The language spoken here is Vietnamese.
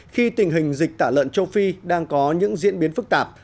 khi tình hình dịch tả lợn châu phi đang có những diễn biến phức tạp